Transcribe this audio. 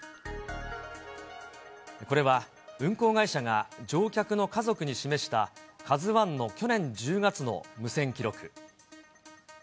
これは、運航会社が乗客の家族に示した、ＫＡＺＵＩの去年１０月の無線記録。